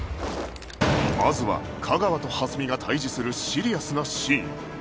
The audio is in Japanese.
まずは架川と蓮見が対峙するシリアスなシーン